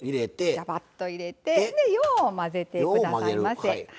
ザバッと入れてよう混ぜてくださいませ。